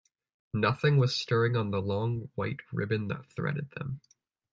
Nothing was stirring on the long white ribbon that threaded them.